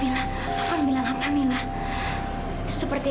katovan maaf katovan kak fadil